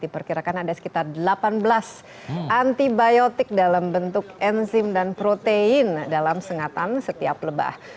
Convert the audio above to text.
diperkirakan ada sekitar delapan belas antibiotik dalam bentuk enzim dan protein dalam sengatan setiap lebah